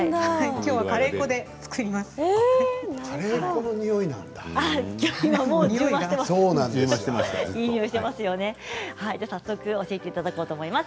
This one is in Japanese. きょうはカレー粉を使います。